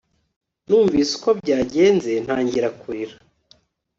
Numvise uko byagenze ntangira kurira